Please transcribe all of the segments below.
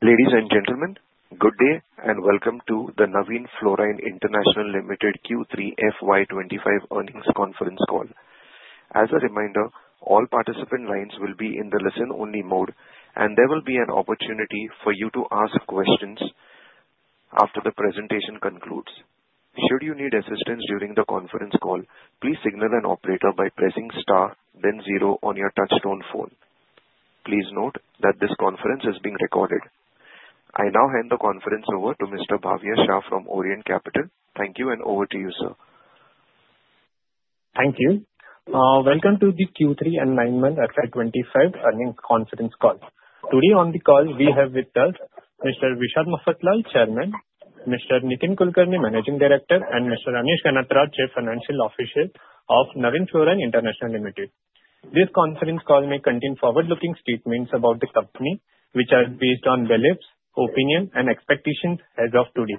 Ladies and gentlemen, good day and welcome to the Navin Fluorine International Limited Q3 FY25 earnings conference call. As a reminder, all participant lines will be in the listen-only mode, and there will be an opportunity for you to ask questions after the presentation concludes. Should you need assistance during the conference call, please signal an operator by pressing star, then zero on your touch-tone phone. Please note that this conference is being recorded. I now hand the conference over to Mr. Bhavya Shah from Orient Capital. Thank you, and over to you, sir. Thank you. Welcome to the Q3 and nine month FY25 earnings conference call. Today on the call, we have with us Mr. Vishad Mafatlal, Chairman, Mr. Nitin Kulkarni, Managing Director, and Mr. Anish Ganatra, Chief Financial Officer of Navin Fluorine International Limited. This conference call may contain forward-looking statements about the company, which are based on beliefs, opinions, and expectations as of today.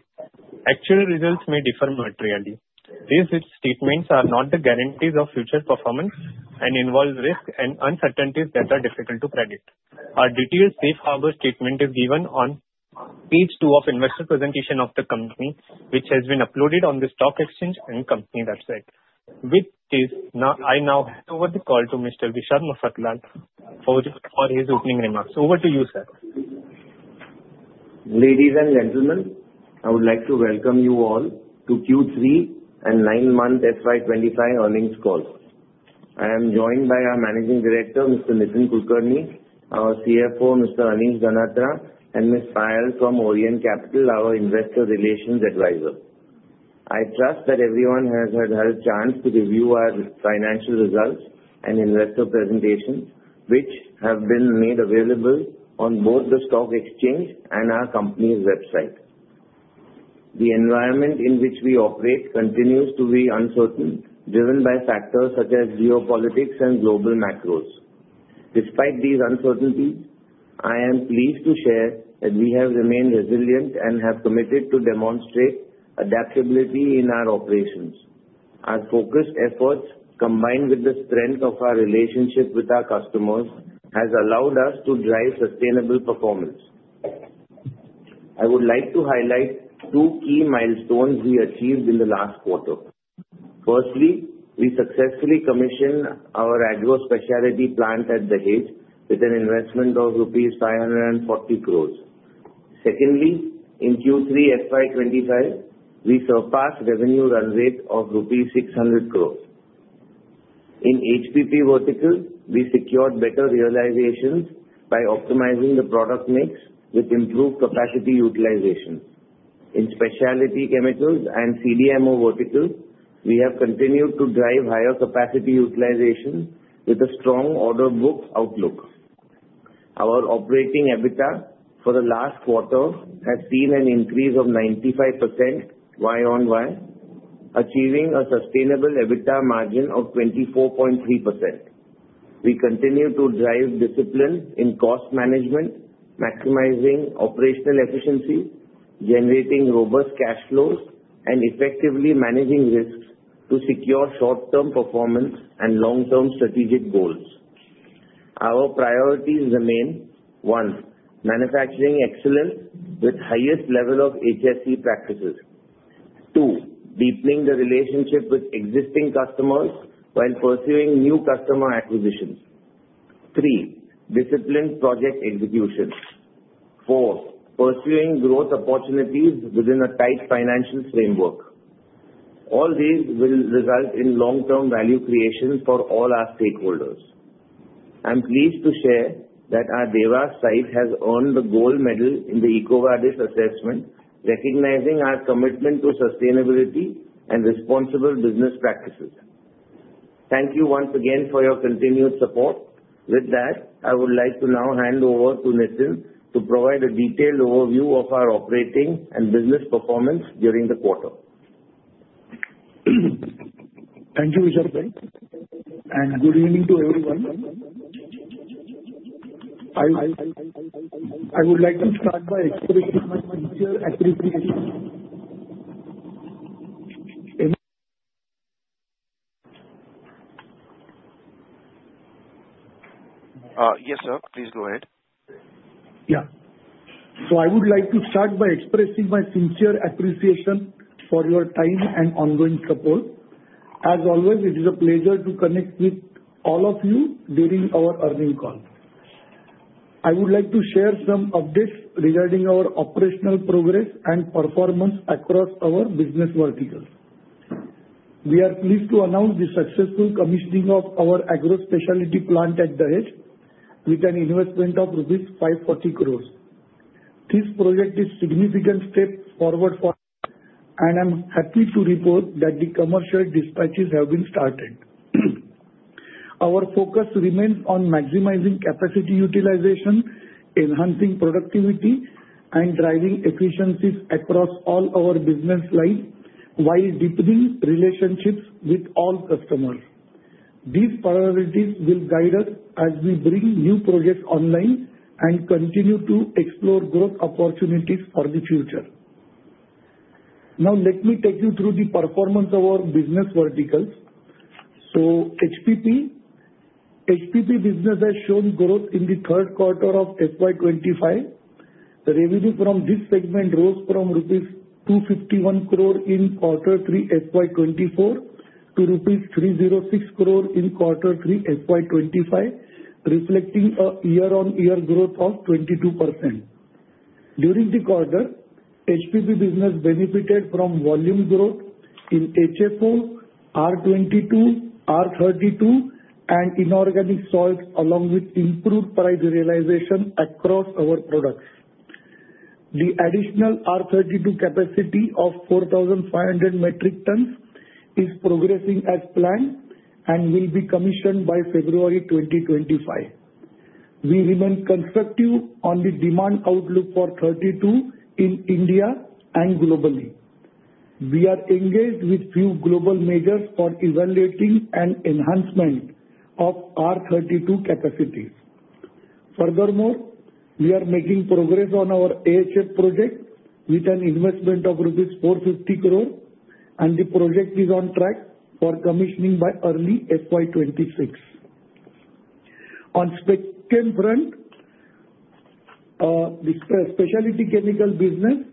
Actual results may differ materially. These statements are not the guarantees of future performance and involve risks and uncertainties that are difficult to predict. Our detailed safe harbor statement is given on page two of the investor presentation of the company, which has been uploaded on the stock exchange and company website. With this, I now hand over the call to Mr. Vishad Mafatlal for his opening remarks. Over to you, sir. Ladies and gentlemen, I would like to welcome you all to Q3 and 9-month FY25 earnings call. I am joined by our Managing Director, Mr. Nitin Kulkarni, our CFO, Mr. Anish Ganatra, and Ms. Payal from Orient Capital, our Investor Relations Advisor. I trust that everyone has had a chance to review our financial results and investor presentations, which have been made available on both the stock exchange and our company's website. The environment in which we operate continues to be uncertain, driven by factors such as geopolitics and global macros. Despite these uncertainties, I am pleased to share that we have remained resilient and have committed to demonstrate adaptability in our operations. Our focused efforts, combined with the strength of our relationship with our customers, have allowed us to drive sustainable performance. I would like to highlight two key milestones we achieved in the last quarter. Firstly, we successfully commissioned our agro-specialty plant at Dahej with an investment of rupees 540 crores. Secondly, in Q3 FY25, we surpassed revenue run rate of rupees 600 crores. In HPP vertical, we secured better realizations by optimizing the product mix with improved capacity utilization. In specialty chemicals and CDMO vertical, we have continued to drive higher capacity utilization with a strong order book outlook. Our operating EBITDA for the last quarter has seen an increase of 95% Y-on-Y, achieving a sustainable EBITDA margin of 24.3%. We continue to drive discipline in cost management, maximizing operational efficiency, generating robust cash flows, and effectively managing risks to secure short-term performance and long-term strategic goals. Our priorities remain: one, manufacturing excellence with the highest level of HSE practices; two, deepening the relationship with existing customers while pursuing new customer acquisitions; three, disciplined project execution; four, pursuing growth opportunities within a tight financial framework. All these will result in long-term value creation for all our stakeholders. I'm pleased to share that our Dewas site has earned the gold medal in the EcoVadis assessment, recognizing our commitment to sustainability and responsible business practices. Thank you once again for your continued support. With that, I would like to now hand over to Nitin to provide a detailed overview of our operating and business performance during the quarter. Thank you, Vishad sir, and good evening to everyone. I would like to start by expressing my sincere appreciation. Yes, sir, please go ahead. Yeah. So I would like to start by expressing my sincere appreciation for your time and ongoing support. As always, it is a pleasure to connect with all of you during our earnings call. I would like to share some updates regarding our operational progress and performance across our business verticals. We are pleased to announce the successful commissioning of our agro-specialty plant at Dahej with an investment of 540 crores rupees. This project is a significant step forward, and I'm happy to report that the commercial dispatches have been started. Our focus remains on maximizing capacity utilization, enhancing productivity, and driving efficiencies across all our business lines while deepening relationships with all customers. These priorities will guide us as we bring new projects online and continue to explore growth opportunities for the future. Now, let me take you through the performance of our business verticals. HPP business has shown growth in the third quarter of FY25. The revenue from this segment rose from rupees 251 crore in Q3 FY24 to rupees 306 crore in Q3 FY25, reflecting a year-on-year growth of 22%. During the quarter, HPP business benefited from volume growth in HFO, R22, R32, and inorganic salts, along with improved price realization across our products. The additional R32 capacity of 4,500 metric tons is progressing as planned and will be commissioned by February 2025. We remain constructive on the demand outlook for R32 in India and globally. We are engaged with a few global measures for evaluating and enhancement of R32 capacity. Furthermore, we are making progress on our AHF project with an investment of rupees 450 crore, and the project is on track for commissioning by early FY26. On the spectrum front, the specialty chemical business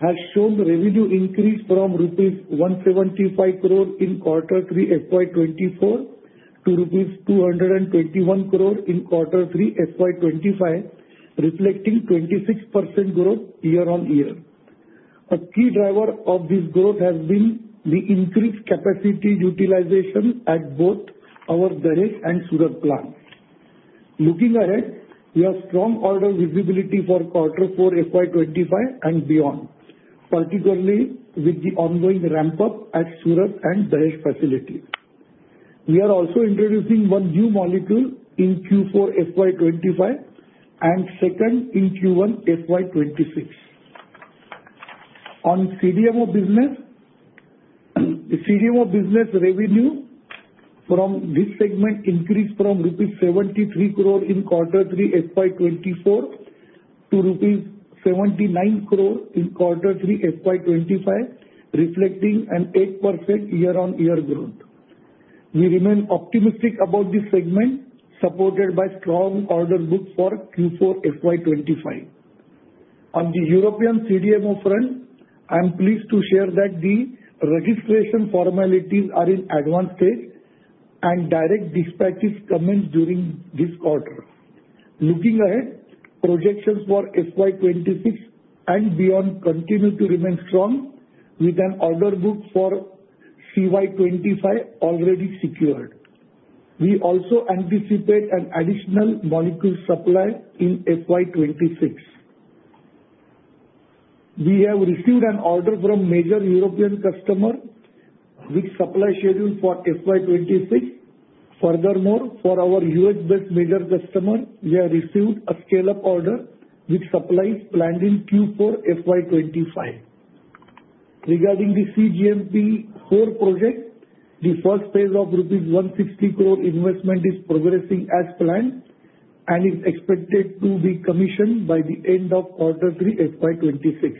has shown revenue increase from rupees 175 crore in Q3 FY24 to rupees 221 crore in Q3 FY25, reflecting 26% growth year-on-year. A key driver of this growth has been the increased capacity utilization at both our Dahej and Surat plants. Looking ahead, we have strong order visibility for Q4 FY25 and beyond, particularly with the ongoing ramp-up at Surat and Dahej facilities. We are also introducing one new molecule in Q4 FY25 and second in Q1 FY26. On CDMO business, the CDMO business revenue from this segment increased from rupees 73 crore in Q3 FY24 to rupees 79 crore in Q3 FY25, reflecting an 8% year-on-year growth. We remain optimistic about this segment, supported by strong order books for Q4 FY25. On the European CDMO front, I'm pleased to share that the registration formalities are in the advanced stage, and direct dispatches commence during this quarter. Looking ahead, projections for FY26 and beyond continue to remain strong, with an order book for CY25 already secured. We also anticipate an additional molecule supply in FY26. We have received an order from a major European customer with a supply schedule for FY26. Furthermore, for our U.S.-based major customer, we have received a scale-up order with supplies planned in Q4 FY25. Regarding the CGMP4 project, the first phase of rupees 160 crore investment is progressing as planned and is expected to be commissioned by the end of Q3 FY26.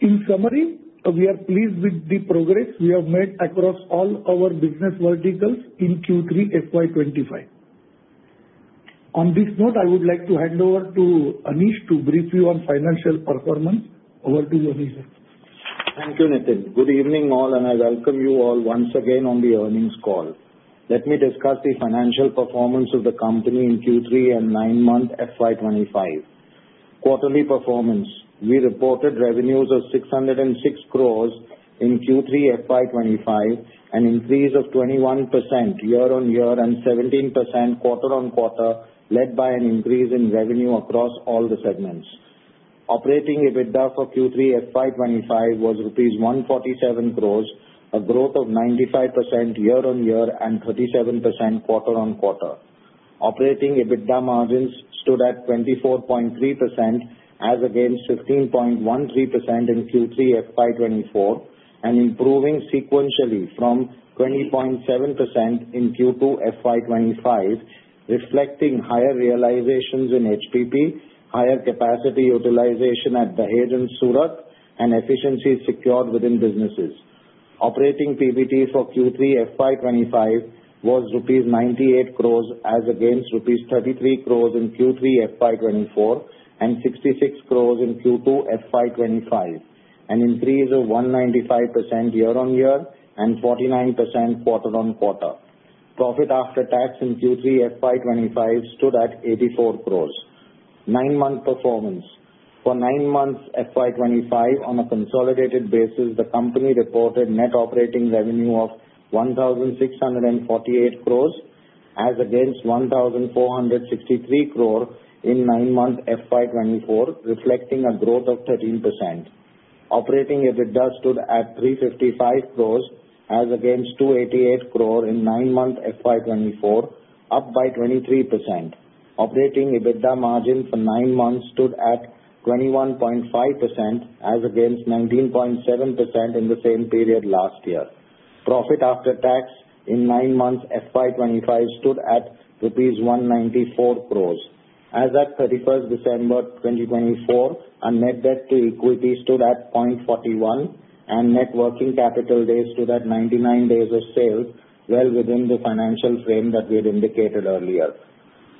In summary, we are pleased with the progress we have made across all our business verticals in Q3 FY25. On this note, I would like to hand over to Anish to brief you on financial performance.performance. Over to you, Anish. Thank you, Nitin. Good evening all, and I welcome you all once again on the earnings call. Let me discuss the financial performance of the company in Q3 and nine month FY25. Quarterly performance: We reported revenues of 606 crores in Q3 FY25, an increase of 21% year-on-year and 17% quarter-on-quarter, led by an increase in revenue across all the segments. Operating EBITDA for Q3 FY25 was rupees 147 crores, a growth of 95% year-on-year and 37% quarter-on-quarter. Operating EBITDA margins stood at 24.3%, as against 15.13% in Q3 FY24, and improving sequentially from 20.7% in Q2 FY25, reflecting higher realizations in HPP, higher capacity utilization at Dahej and Surat, and efficiencies secured within businesses. Operating PBT for Q3 FY25 was rupees 98 crores, as against rupees 33 crores in Q3 FY24 and 66 crores in Q2 FY25, an increase of 195% year-on-year and 49% quarter-on-quarter. Profit after tax in Q3 FY25 stood at 84 crores. Nine-month performance: For nine months FY25, on a consolidated basis, the company reported net operating revenue of 1,648 crores, as against 1,463 crores in nine months FY24, reflecting a growth of 13%. Operating EBITDA stood at 355 crores, as against 288 crores in nine months FY24, up by 23%. Operating EBITDA margin for nine months stood at 21.5%, as against 19.7% in the same period last year. Profit after tax in nine months FY25 stood at rupees 194 crores. As of 31st December 2024, our net debt to equity stood at 0.41, and net working capital days stood at 99 days of sales, well within the financial frame that we had indicated earlier.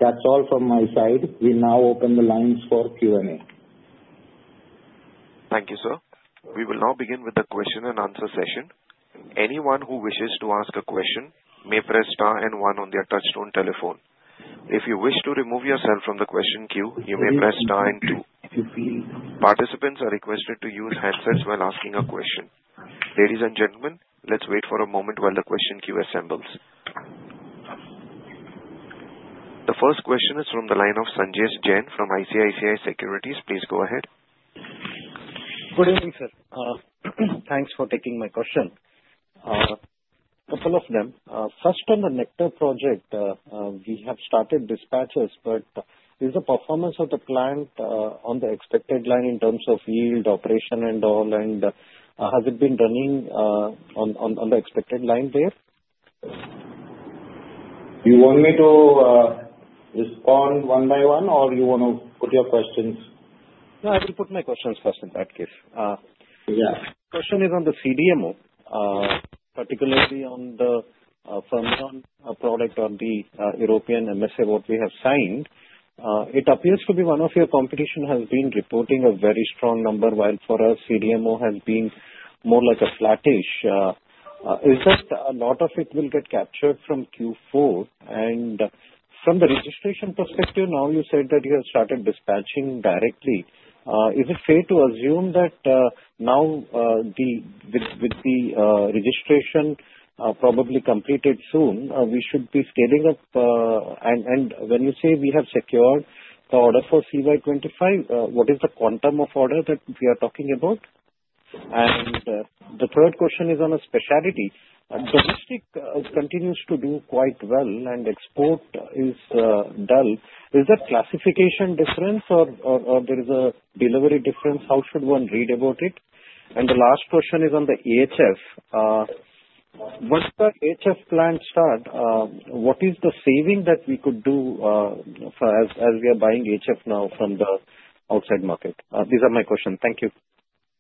That's all from my side. We now open the lines for Q&A. Thank you, sir. We will now begin with the question-and-answer session. Anyone who wishes to ask a question may press star and one on their touch-tone telephone. If you wish to remove yourself from the question queue, you may press star and two. Participants are requested to use handsets while asking a question. Ladies and gentlemen, let's wait for a moment while the question queue assembles. The first question is from the line of Sanjesh Jain from ICICI Securities. Please go ahead. Good evening, sir. Thanks for taking my question. A couple of them. First, on the Project Nectar, we have started dispatches, but is the performance of the plant on the expected line in terms of yield, operation, and all, and has it been running on the expected line there? Do you want me to respond one by one, or do you want to put your questions? No, I will put my questions first in that case. Yes. Question is on the CDMO, particularly on the Fermion product on the European MSA what we have signed. It appears to be one of your competition has been reporting a very strong number, while for us, CDMO has been more like a flattish. Is that a lot of it will get captured from Q4? And from the registration perspective, now you said that you have started dispatching directly. Is it fair to assume that now, with the registration probably completed soon, we should be scaling up? And when you say we have secured the order for CY25, what is the quantum of order that we are talking about? And the third question is on a specialty. Domestic continues to do quite well, and export is dull. Is that classification difference, or there is a delivery difference? How should one read about it? And the last question is on the HF. Once the HF plants start, what is the saving that we could do as we are buying HF now from the outside market? These are my questions. Thank you.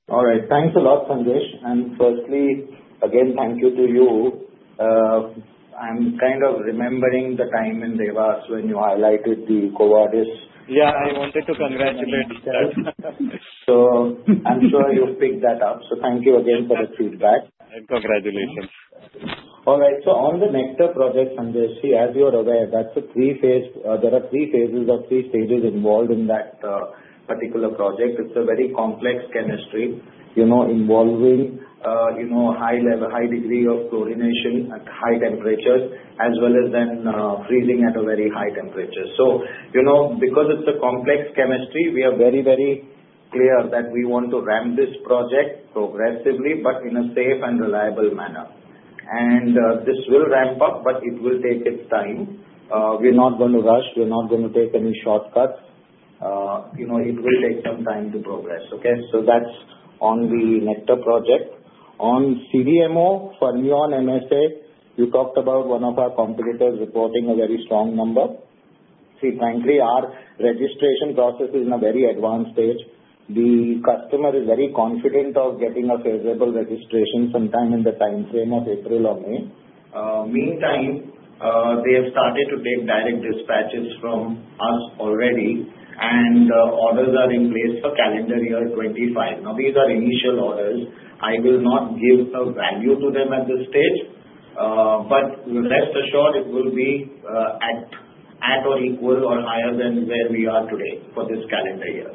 All right. Thanks a lot, Sanjesh. And firstly, again, thank you to you. I'm kind of remembering the time in Dewas when you highlighted the EcoVadis. Yeah, I wanted to congratulate you. So I'm sure you picked that up. So thank you again for the feedback. And congratulations. All right, so on the Nectar project, Sanjay, as you are aware, there are three phases or three stages involved in that particular project. It's a very complex chemistry involving a high degree of chlorination at high temperatures, as well as then freezing at a very high temperature. So because it's a complex chemistry, we are very, very clear that we want to ramp this project progressively, but in a safe and reliable manner, and this will ramp up, but it will take its time. We're not going to rush. We're not going to take any shortcuts. It will take some time to progress. Okay? So that's on the Nectar project. On CDMO, Fermion on MSA, you talked about one of our competitors reporting a very strong number. See, frankly, our registration process is in a very advanced stage. The customer is very confident of getting a favorable registration sometime in the time frame of April or May. Meantime, they have started to take direct dispatches from us already, and orders are in place for calendar year 2025. Now, these are initial orders. I will not give a value to them at this stage, but rest assured it will be at or equal or higher than where we are today for this calendar year.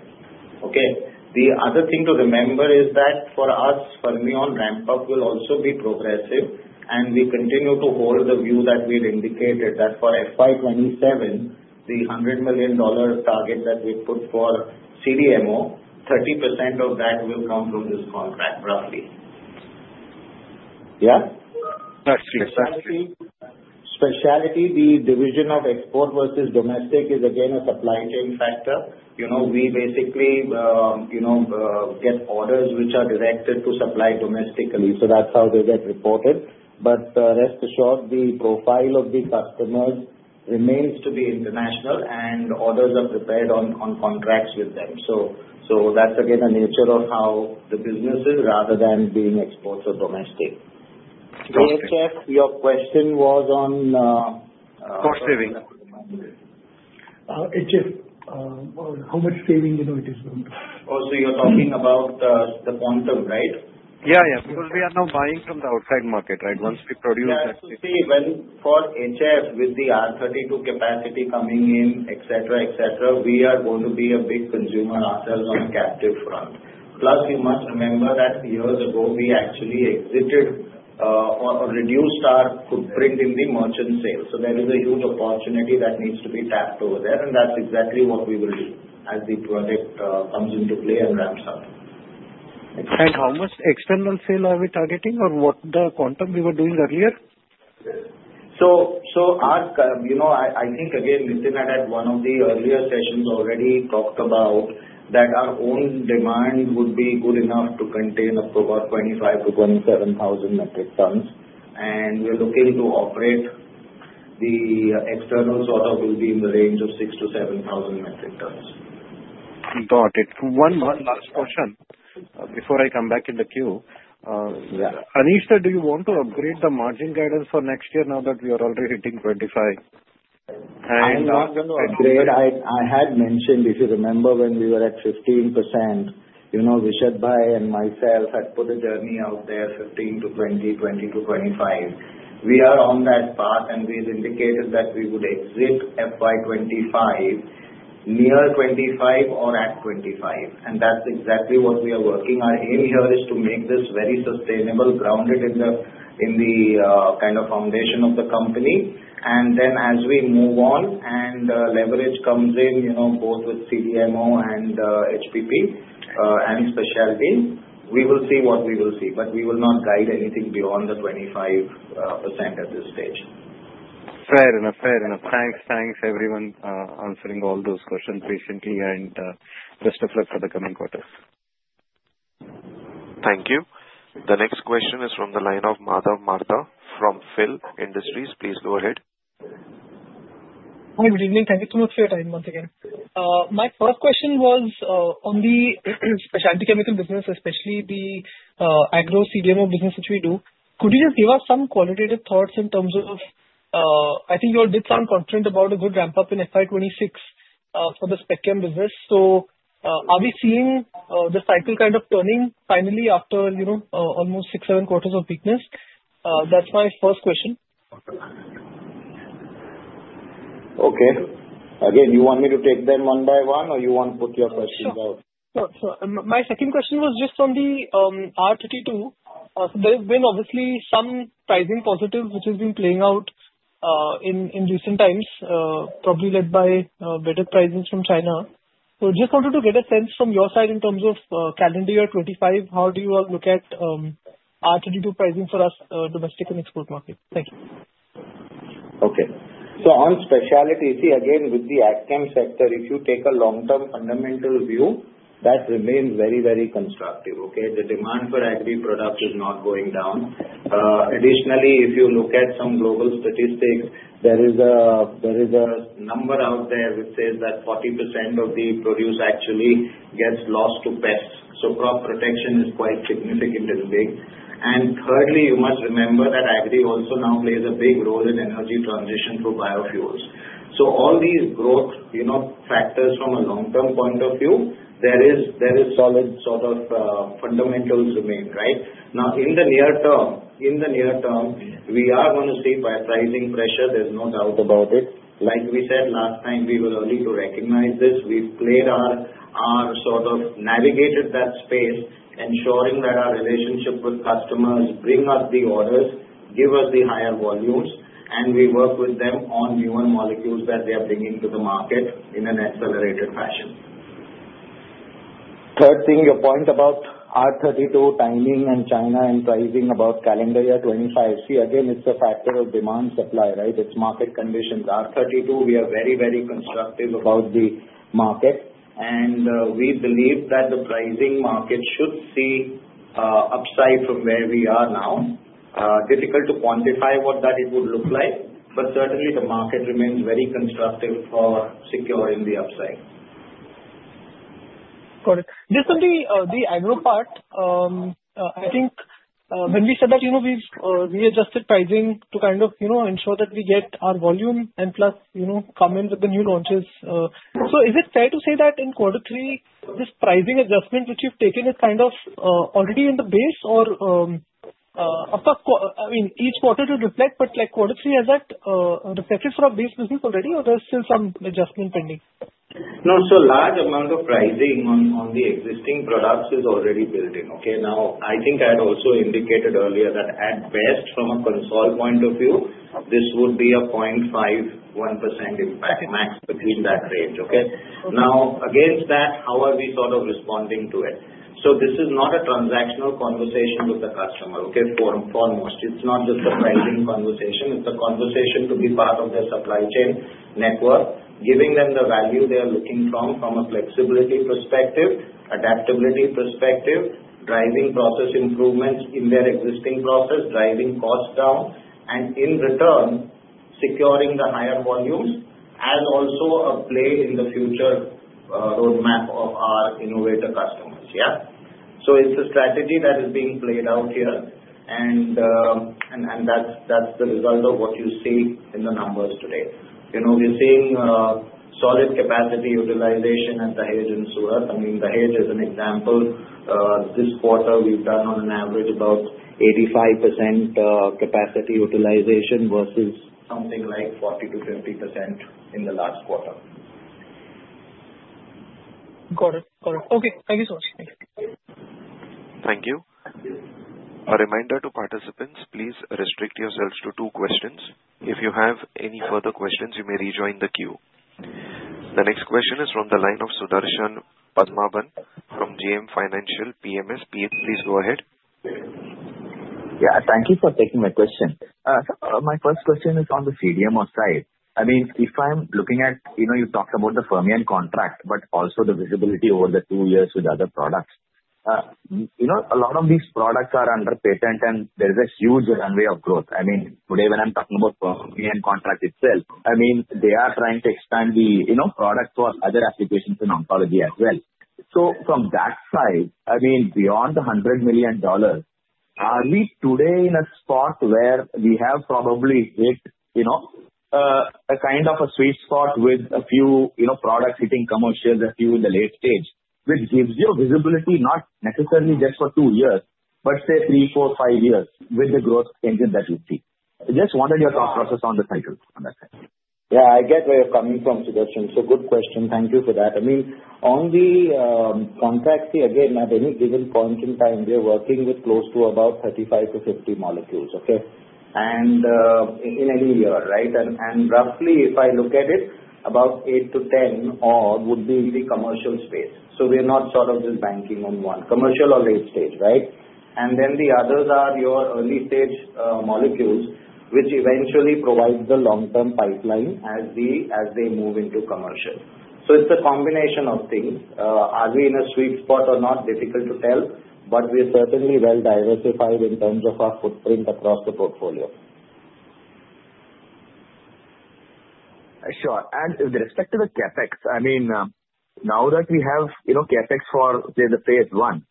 Okay? The other thing to remember is that for us, from where we are on ramp-up will also be progressive, and we continue to hold the view that we had indicated that for FY27, the $100 million target that we put for CDMO, 30% of that will come from this contract, roughly. Yeah? Specialty. Specialty. The division of export versus domestic is again a supply chain factor. We basically get orders which are directed to supply domestically. So that's how they get reported. But rest assured, the profile of the customers remains to be international, and orders are prepared on contracts with them. So that's again the nature of how the business is, rather than being exports or domestic. Okay. HF, your question was on. Cost saving. HF, how much saving it is going to? Oh, so you're talking about the quantum, right? Yeah, yeah. Because we are now buying from the outside market, right? Once we produce that. See, for HF, with the R32 capacity coming in, etc., etc., we are going to be a big consumer ourselves on the captive front. Plus, you must remember that years ago, we actually exited or reduced our footprint in the merchant sales. So there is a huge opportunity that needs to be tapped over there, and that's exactly what we will do as the project comes into play and ramps up. And how much external sale are we targeting, or what the quantum we were doing earlier? So I think, again, Nitin had, at one of the earlier sessions, already talked about that our own demand would be good enough to contain about 25,000-27,000 metric tons. And we're looking to operate the external sort of will be in the range of 6,000-7,000 metric tons. Got it. One last question before I come back in the queue. Anish, do you want to upgrade the margin guidance for next year now that we are already hitting 25%? I'm not going to upgrade. I had mentioned, if you remember, when we were at 15%, Vishalbhai and myself had put a journey out there 15%-20%, 20%-25%. We are on that path, and we had indicated that we would exit FY25 near 25% or at 25%. That's exactly what we are working. Our aim here is to make this very sustainable, grounded in the kind of foundation of the company. Then as we move on and leverage comes in, both with CDMO and HPP and specialty, we will see what we will see. We will not guide anything beyond the 25% at this stage. Fair enough, fair enough. Thanks, thanks, everyone, answering all those questions patiently, and best of luck for the coming quarters. Thank you. The next question is from the line of Madhav Marda from Fidelity International. Please go ahead. Hi, good evening. Thank you so much for your time once again. My first question was on the specialty chemical business, especially the agro CDMO business, which we do. Could you just give us some qualitative thoughts in terms of I think you all did sound confident about a good ramp-up in FY26 for the spec chem business. So are we seeing the cycle kind of turning finally after almost six, seven quarters of weakness? That's my first question. Okay. Again, you want me to take them one by one, or you want to put your questions out? Sure. So my second question was just on the R32. There have been, obviously, some pricing positives which have been playing out in recent times, probably led by better pricing from China. So just wanted to get a sense from your side in terms of calendar year 2025, how do you all look at R32 pricing for us, domestic and export market? Thank you. Okay. So on specialty, see, again, with the ag chem sector, if you take a long-term fundamental view, that remains very, very constructive. Okay? The demand for agri products is not going down. Additionally, if you look at some global statistics, there is a number out there which says that 40% of the produce actually gets lost to pests. So crop protection is quite significant and big. And thirdly, you must remember that agri also now plays a big role in energy transition for biofuels. So all these growth factors from a long-term point of view, there is solid sort of fundamentals remain, right? Now, in the near term, in the near term, we are going to see pricing pressure. There's no doubt about it. Like we said last time, we were early to recognize this. We've played our sort of navigated that space, ensuring that our relationship with customers brings us the orders, gives us the higher volumes, and we work with them on newer molecules that they are bringing to the market in an accelerated fashion. Third thing, your point about R32 timing and China and pricing about calendar year 2025, see, again, it's a factor of demand supply, right? It's market conditions. R32, we are very, very constructive about the market. And we believe that the pricing market should see upside from where we are now. Difficult to quantify what that would look like, but certainly, the market remains very constructive for securing the upside. Got it. Just on the agro part, I think when we said that we've readjusted pricing to kind of ensure that we get our volume and plus come in with the new launches. So is it fair to say that in Q3, this pricing adjustment which you've taken is kind of already in the base or upper? I mean, each quarter to reflect, but Q3 has that reflected for our base business already, or there's still some adjustment pending? No, so large amount of pricing on the existing products is already building. Okay? Now, I think I had also indicated earlier that at best, from a cost point of view, this would be a 0.51% impact max between that range. Okay? Now, against that, how are we sort of responding to it? So this is not a transactional conversation with the customer, okay, foremost. It's not just a pricing conversation. It's a conversation to be part of their supply chain network, giving them the value they are looking from, from a flexibility perspective, adaptability perspective, driving process improvements in their existing process, driving cost down, and in return, securing the higher volumes, and also a play in the future roadmap of our innovator customers. Yeah? So it's a strategy that is being played out here, and that's the result of what you see in the numbers today. We're seeing solid capacity utilization at the Dahej and Dewas. I mean, the Dahej is an example. This quarter, we've done on an average about 85% capacity utilization versus something like 40%-50% in the last quarter. Got it. Got it. Okay. Thank you so much. Thank you. Thank you. A reminder to participants, please restrict yourselves to two questions. If you have any further questions, you may rejoin the queue. The next question is from the line of Sudarshan Padmanabhan from JM Financial PMS. Please go ahead. Yeah. Thank you for taking my question. My first question is on the CDMO side. I mean, if I'm looking at you talked about the Fermion contract, but also the visibility over the two years with other products. A lot of these products are under patent, and there's a huge runway of growth. I mean, today, when I'm talking about Fermion contract itself, I mean, they are trying to expand the product for other applications in oncology as well. So from that side, I mean, beyond the $100 million, are we today in a spot where we have probably hit a kind of a sweet spot with a few products hitting commercials at the late stage, which gives you visibility not necessarily just for two years, but say three, four, five years with the growth engine that you see? Just wanted your thought process on the cycle on that side. Yeah, I get where you're coming from, Sudarshan. So good question. Thank you for that. I mean, on the contract, see, again, at any given point in time, we are working with close to about 35-50 molecules, okay. And in any year, right? And roughly, if I look at it, about 8-10 odd would be the commercial space. So we are not sort of just banking on one. Commercial or late stage, right? And then the others are your early stage molecules, which eventually provide the long-term pipeline as they move into commercial. So it's a combination of things. Are we in a sweet spot or not? Difficult to tell, but we are certainly well diversified in terms of our footprint across the portfolio. Sure. And with respect to the CapEx, I mean, now that we have CapEx for, say, the phase one,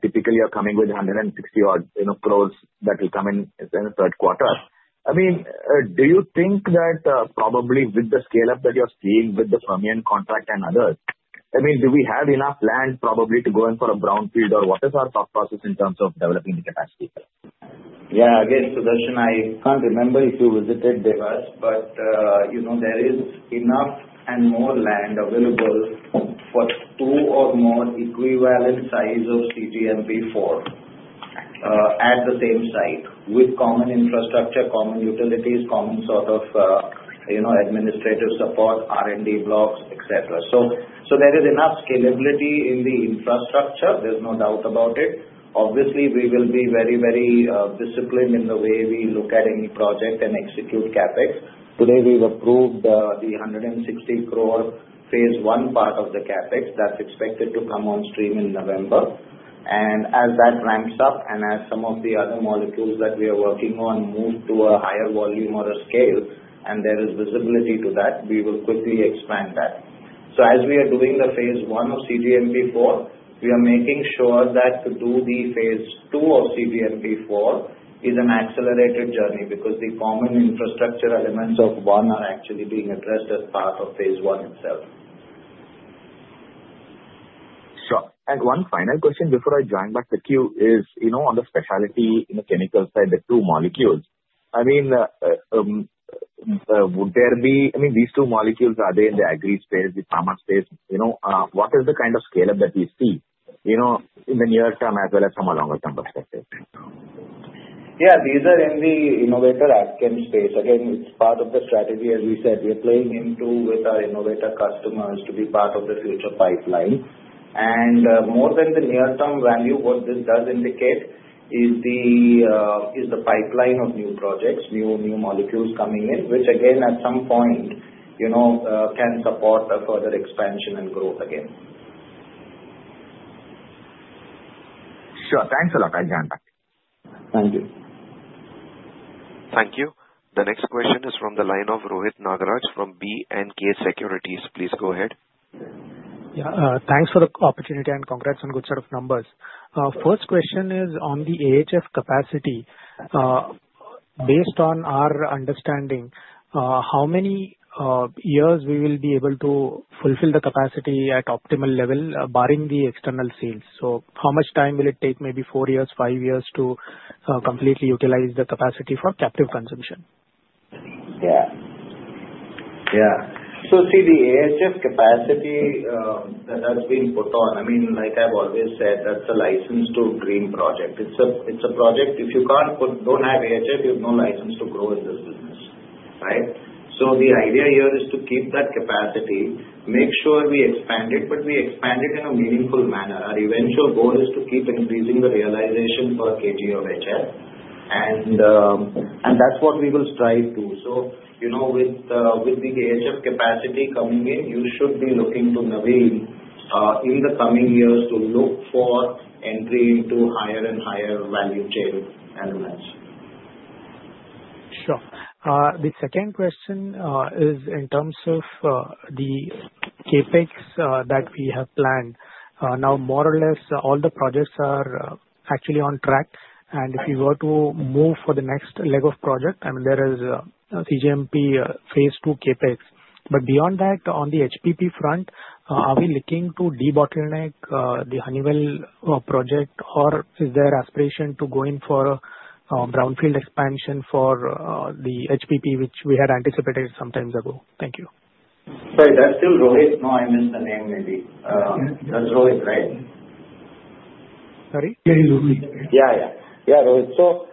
typically you're coming with 160-odd growth that will come in the third quarter. I mean, do you think that probably with the scale-up that you're seeing with the Fermion contract and others, I mean, do we have enough land probably to go in for a brownfield, or what is our thought process in terms of developing the capacity? Yeah. Again, Sudarshan, I can't remember if you visited Dewas, but there is enough and more land available for two or more equivalent size of cGMP4 at the same site with common infrastructure, common utilities, common sort of administrative support, R&D blocks, etc. So there is enough scalability in the infrastructure. There's no doubt about it. Obviously, we will be very, very disciplined in the way we look at any project and execute CapEx. Today, we've approved the 160 crore phase one part of the CapEx that's expected to come on stream in November, and as that ramps up and as some of the other molecules that we are working on move to a higher volume or a scale, and there is visibility to that, we will quickly expand that. So as we are doing the phase one of CGMP4, we are making sure that to do the phase two of CGMP4 is an accelerated journey because the common infrastructure elements of one are actually being addressed as part of phase one itself. Sure. And one final question before I join back the queue is on the specialty chemical side, the two molecules. I mean, would there be these two molecules, are they in the agri space, the pharma space? What is the kind of scale-up that we see in the near term as well as from a longer-term perspective? Yeah. These are in the innovator ag chem space. Again, it's part of the strategy, as we said. We are playing into with our innovator customers to be part of the future pipeline. And more than the near-term value, what this does indicate is the pipeline of new projects, new molecules coming in, which, again, at some point, can support a further expansion and growth again. Sure. Thanks a lot. I'll join back. Thank you. Thank you. The next question is from the line of Rohit Nagraj from B&K Securities. Please go ahead. Yeah. Thanks for the opportunity and congrats on good set of numbers. First question is on the AHF capacity. Based on our understanding, how many years will we be able to fulfill the capacity at optimal level, barring the external sales? So how much time will it take, maybe four years, five years to completely utilize the capacity for captive consumption? Yeah. Yeah. So see, the AHF capacity that has been put on, I mean, like I've always said, that's a license to dream project. It's a project if you don't have AHF, you have no license to grow in this business, right? So the idea here is to keep that capacity, make sure we expand it, but we expand it in a meaningful manner. Our eventual goal is to keep increasing the realization for a KG of HF. And that's what we will strive to. So with the AHF capacity coming in, you should be looking to Navin in the coming years to look for entry into higher and higher value chain elements. Sure. The second question is in terms of the CapEx that we have planned. Now, more or less, all the projects are actually on track. And if you were to move for the next leg of project, I mean, there is CGMP phase two CapEx. But beyond that, on the HPP front, are we looking to de-bottleneck the Honeywell project, or is there aspiration to go in for a brownfield expansion for the HPP, which we had anticipated some time ago? Thank you. Sorry, that's still Rohit. No, I missed the name maybe. That's Rohit, right? Sorry? Yeah, yeah. Yeah, Rohit. So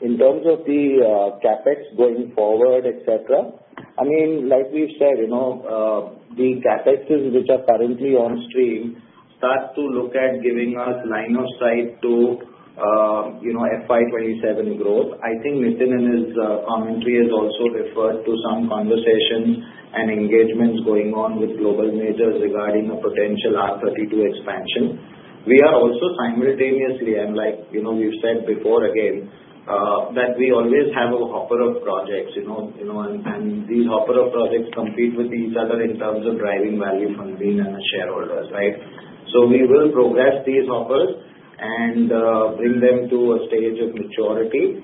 in terms of the CapEx going forward, etc., I mean, like we've said, the CapExes which are currently on stream start to look at giving us line of sight to FY27 growth. I think Nitin's commentary has also referred to some conversations and engagements going on with global majors regarding a potential R32 expansion. We are also simultaneously, and like we've said before, again, that we always have a hopper of projects. And these hopper of projects compete with each other in terms of driving value for Navin and the shareholders, right? So we will progress these hoppers and bring them to a stage of maturity.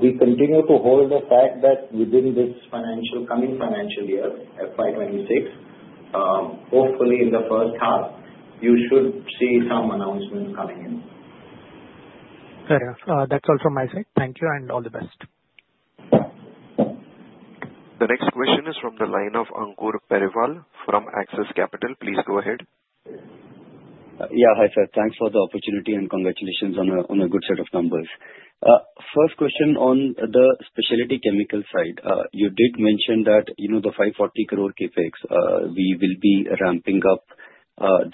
We continue to hold the fact that within this coming financial year, FY26, hopefully in the H1, you should see some announcements coming in. That's all from my side. Thank you and all the best. The next question is from the line of Ankur Periwal from Axis Capital. Please go ahead. Yeah. Hi, sir. Thanks for the opportunity and congratulations on a good set of numbers. First question on the specialty chemical side. You did mention that the 540 crore CapEx, we will be ramping up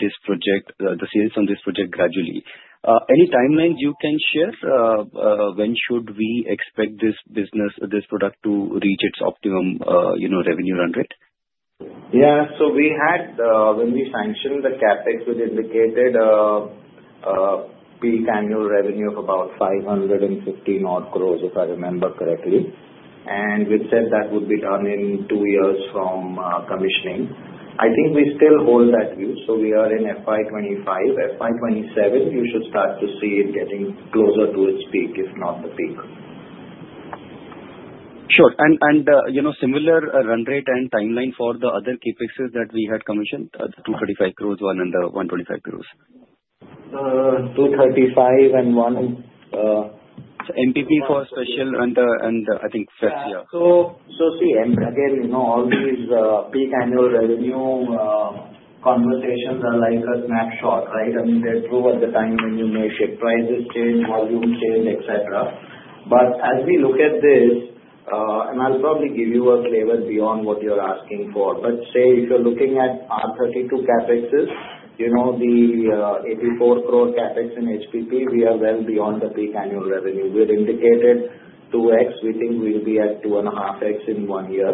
this project, the sales on this project gradually. Any timelines you can share? When should we expect this business, this product to reach its optimum revenue run rate? Yeah. So we had, when we sanctioned the CapEx, we indicated a peak annual revenue of about 550 crores, if I remember correctly. And we said that would be done in two years from commissioning. I think we still hold that view. So we are in FY25. FY27, you should start to see it getting closer to its peak, if not the peak. Sure. And similar run rate and timeline for the other CapExes that we had commissioned? The 235 crores one and the 125 crores? 235 and one. MPP for specialty, and I think first year. So, see, and again, all these peak annual revenue conversations are like a snapshot, right? I mean, they're true at the time when you may shift prices, change supply chains, etc. But as we look at this, and I'll probably give you a flavor beyond what you're asking for, but say if you're looking at R32 CapExes, the 84 crore CapEx in HPP, we are well beyond the peak annual revenue. We've indicated 2x. We think we'll be at 2.5x in one year.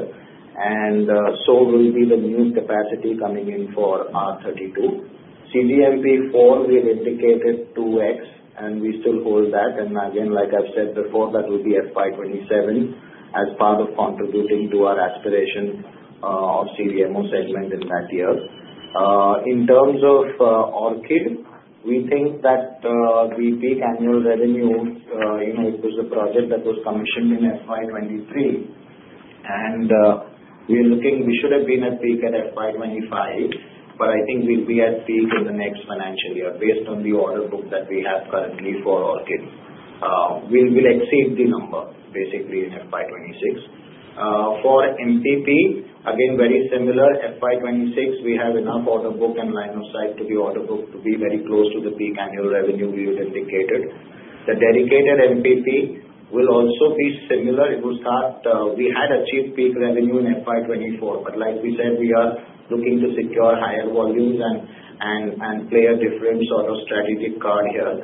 And so will be the new capacity coming in for R32. CGMP4, we've indicated 2x, and we still hold that. And again, like I've said before, that will be FY27 as part of contributing to our aspiration of CDMO segment in that year. In terms of ORCID, we think that the peak annual revenue, it was a project that was commissioned in FY23, and we're looking. We should have been at peak at FY25, but I think we'll be at peak in the next financial year based on the order book that we have currently for ORCID. We will exceed the number, basically, in FY26. For MPP, again, very similar. FY26, we have enough order book and line of sight to be very close to the peak annual revenue we had indicated. The dedicated MPP will also be similar. We had achieved peak revenue in FY24, but like we said, we are looking to secure higher volumes and play a different sort of strategic card here.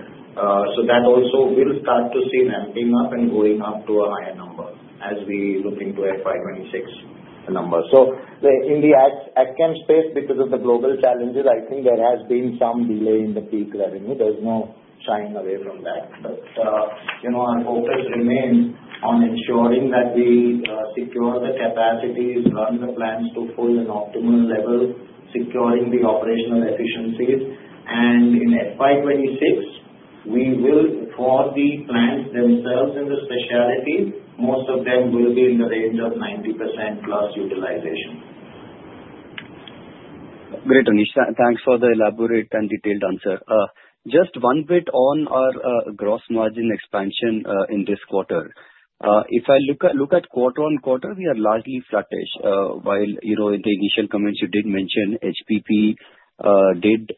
So that also will start to see ramping up and going up to a higher number as we look into FY26 numbers. So in the ag chem space, because of the global challenges, I think there has been some delay in the peak revenue. There's no shying away from that. But our focus remains on ensuring that we secure the capacities, run the plants to full and optimal level, securing the operational efficiencies. And in FY26, we will, for the plants themselves in the specialty, most of them will be in the range of 90% plus utilization. Great, Anish. Thanks for the elaborate and detailed answer. Just one bit on our gross margin expansion in this quarter. If I look at quarter on quarter, we are largely flattish. While in the initial comments, you did mention HPP did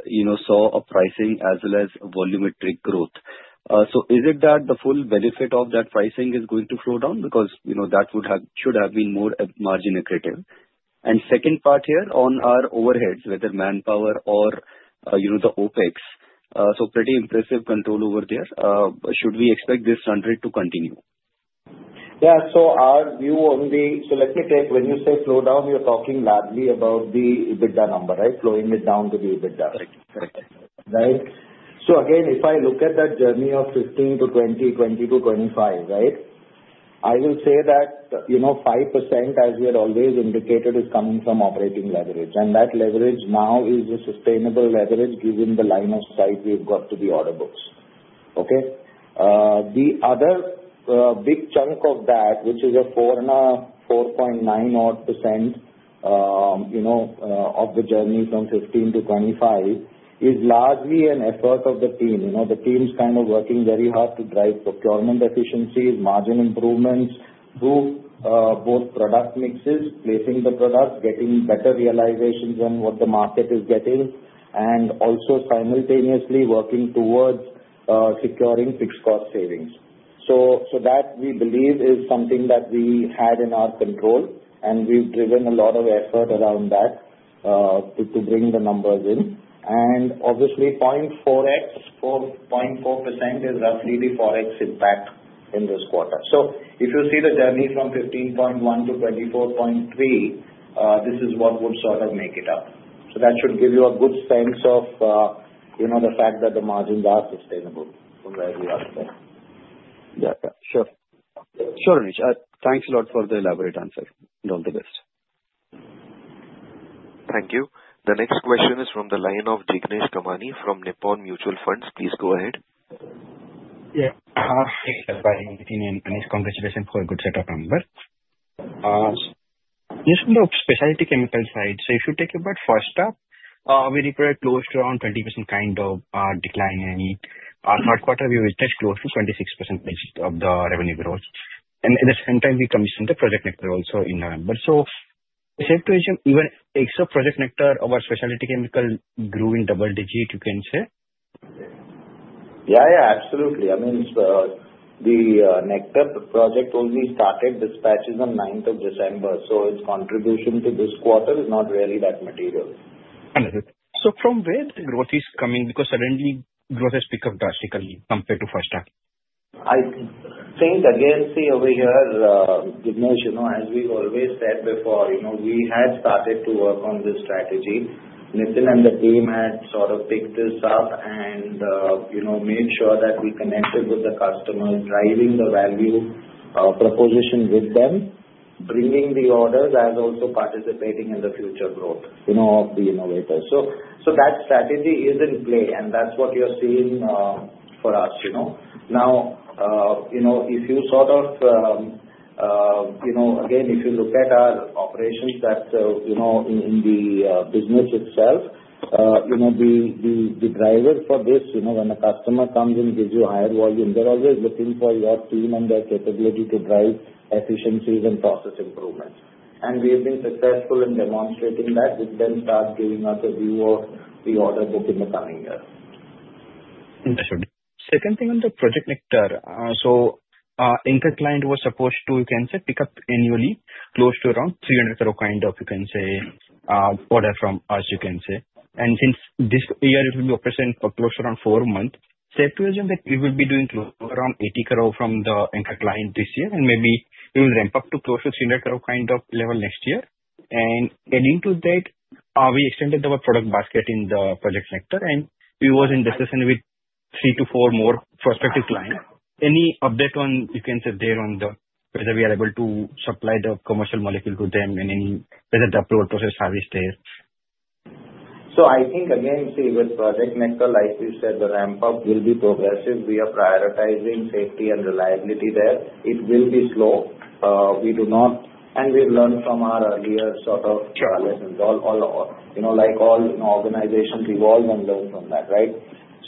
saw a pricing as well as volumetric growth. So is it that the full benefit of that pricing is going to slow down? Because that should have been more margin-accretive. And second part here on our overheads, whether manpower or the OPEX. So pretty impressive control over there. Should we expect this run rate to continue? Yeah. So our view on the, so let me take when you say slow down, you're talking largely about the EBITDA number, right? Slowing it down to the EBITDA. Correct. Correct. Right? So again, if I look at that journey of 15%-20%, 20%-25%, right, I will say that 5%, as we had always indicated, is coming from operating leverage. And that leverage now is a sustainable leverage given the line of sight we've got to the order books. Okay? The other big chunk of that, which is a 4.9 odd % of the journey from 15%-25%, is largely an effort of the team. The team's kind of working very hard to drive procurement efficiencies, margin improvements, both product mixes, placing the products, getting better realizations than what the market is getting, and also simultaneously working towards securing fixed cost savings. So that, we believe, is something that we had in our control, and we've driven a lot of effort around that to bring the numbers in. And obviously, 0.4x, 0.4% is roughly the 4x impact in this quarter. So if you see the journey from 15.1% to 24.3%, this is what would sort of make it up. So that should give you a good sense of the fact that the margins are sustainable from where we are today. Yeah. Yeah. Sure. Sure, Anish. Thanks a lot for the elaborate answer. All the best. Thank you. The next question is from the line of Jignesh Kamani from Nippon India Mutual Fund. Please go ahead. Yeah. Hi. Good evening, Anish. Congratulations for a good set of numbers. Just from the specialty chemical side, so if you take EBIT first up, we reported close to around 20% kind of decline, and third quarter, we witnessed close to 26% of the revenue growth. And at the same time, we commissioned the Project Nectar also in November. So safe to assume, even except Project Nectar, our specialty chemical grew in double digit, you can say? Yeah. Yeah. Absolutely. I mean, the Nectar project only started dispatches on 9th of December. So its contribution to this quarter is not really that material. So from where the growth is coming? Because suddenly, growth has picked up drastically compared to H1. I think, again, see over here, Jignesh, as we've always said before, we had started to work on this strategy. Nitin and the team had sort of picked this up and made sure that we connected with the customers, driving the value proposition with them, bringing the orders as also participating in the future growth of the innovators. So that strategy is in play, and that's what you're seeing for us. Now, if you sort of again, if you look at our operations that in the business itself, the driver for this, when the customer comes and gives you higher volume, they're always looking for your team and their capability to drive efficiencies and process improvements. And we have been successful in demonstrating that. It then starts giving us a view of the order book in the coming years. Sure. Second thing on the Project Nectar. So Incot Client was supposed to pick up annually close to around 300 crore kind of order from us. And since this year, it will be operating for close to around four months, safe to assume that it will be doing around 80 crore from the Incot Client this year, and maybe it will ramp up to close to 300 crore kind of level next year. And adding to that, we extended our product basket in the Project Nectar, and we were in discussion with three to four more prospective clients. Any update on whether we are able to supply the commercial molecule to them and whether the approval process is established there? I think, again, see, with Project Nectar, like you said, the ramp-up will be progressive. We are prioritizing safety and reliability there. It will be slow. We do not, and we've learned from our earlier sort of lessons all over. Like all organizations evolve and learn from that, right?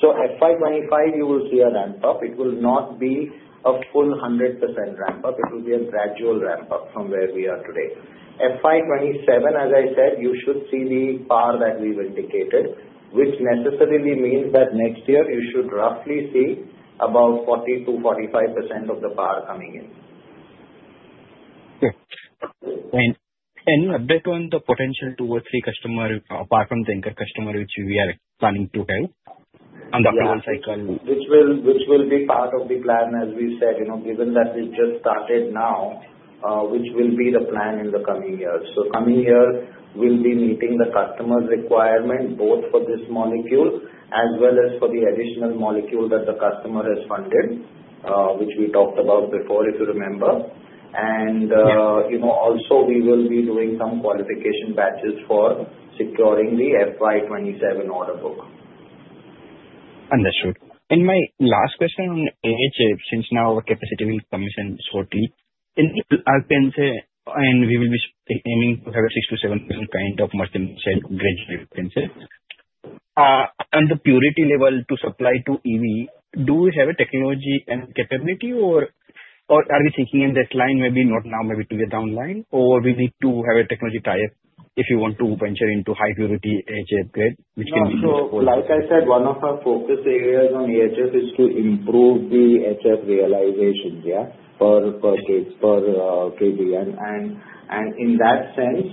FY25, you will see a ramp-up. It will not be a full 100% ramp-up. It will be a gradual ramp-up from where we are today. FY27, as I said, you should see the PAT that we've indicated, which necessarily means that next year, you should roughly see about 40%-45% of the PAT coming in. Okay, and update on the potential two or three customers, apart from the incumbent customers, which we are planning to help on the approval cycle? Which will be part of the plan, as we said, given that we've just started now, which will be the plan in the coming years, so coming year, we'll be meeting the customer's requirement both for this molecule as well as for the additional molecule that the customer has funded, which we talked about before, if you remember, and also, we will be doing some qualification batches for securing the FY27 order book. Understood. And my last question on AHF, since now our capacity will be commissioned shortly, and we will be aiming to have a 6%-7% kind of, as you said, gradually. On the purity level to supply to EV, do we have a technology and capability, or are we thinking in that line, maybe not now, maybe down the line, or we need to have a technology tie-up if you want to venture into high-purity HF grade, which can be used for? So like I said, one of our focus areas on HF is to improve the HF realizations, yeah, for KBN. And in that sense,